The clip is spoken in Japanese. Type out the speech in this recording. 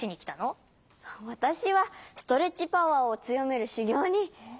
わたしはストレッチパワーをつよめるしゅぎょうに。